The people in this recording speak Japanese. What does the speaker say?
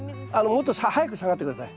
もっと早く下がって下さい。